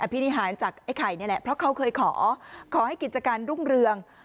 พินิหารจากไอ้ไข่นี่แหละเพราะเขาเคยขอขอให้กิจการรุ่งเรือง